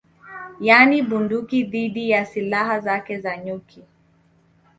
Yaani bunduki dhidi ya silaha zake za nyuki